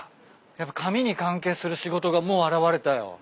やっぱ紙に関係する仕事がもう現れたよ。